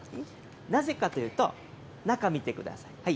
なぜかというと、中見てください。